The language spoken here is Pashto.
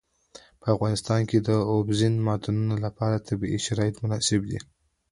په افغانستان کې د اوبزین معدنونه لپاره طبیعي شرایط مناسب دي.